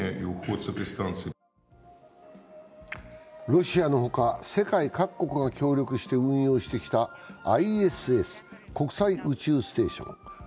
ロシアのほか、世界各国が協力して運用してきたＩＳＳ＝国際宇宙ステーション。